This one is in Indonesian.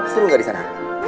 seru gak di sana